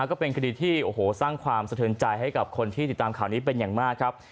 ก็เป็นคดีที่โอ้โหสร้างความสะเทินใจให้กับคนที่ติดตามข่าวนี้เป็นอย่างมากครับ